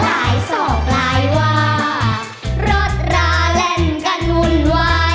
อจิลจงข้าวใจนะเธอเน่นหนู้ชนะน่ะ